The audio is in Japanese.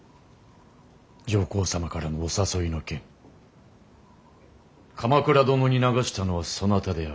上皇様からのお誘いの件鎌倉殿に流したのはそなたであろう。